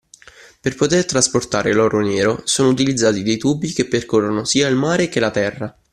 Per poter trasportare l'oro nero sono utilizzati dei tubi che percorrono sia il mare che la terra